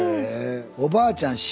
おばあちゃん